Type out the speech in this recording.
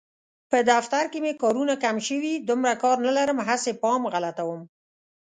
په دفتر کې مې کارونه کم شوي، دومره کار نه لرم هسې پام غلطوم.